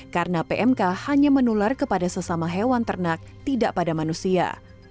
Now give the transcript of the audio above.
karena pmk hanya menular kepada sesama hewan ternak tidak pada manusia